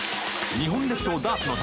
日本列島ダーツの旅。